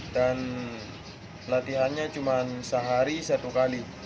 dan latihannya cuma sehari satu kali